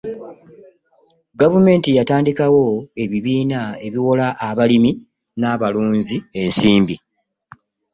Gavumenti yatandikawo ebibiina ebiwola abalimi n'abalunzi ensimbi.